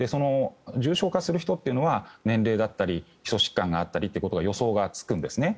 重症化する人というのは年齢だったり基礎疾患がある人という予測がつくんですね。